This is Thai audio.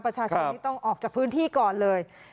ประชาชนนี้ต้องออกจากพื้นที่ก่อนเลย